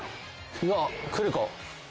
うわっくるか？